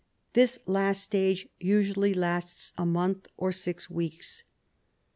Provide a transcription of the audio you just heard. The last stage usually lasts a month or six weeks.